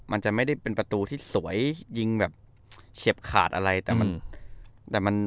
มันจะไม่ได้เป็นประตูที่สวยยิงแบบเฉียบขาดอะไรแต่มันแต่มัน